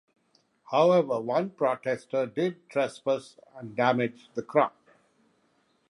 However one protester did trespass and damage the crop.